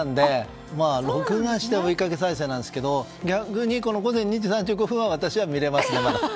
録画して追いかけ再生なんですが逆に午前２時３５分なんですが私は見れますね。